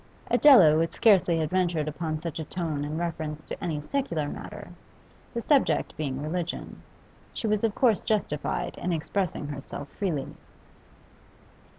Adela would scarcely have ventured upon such a tone in reference to any secular matter; the subject being religion, she was of course justified in expressing herself freely.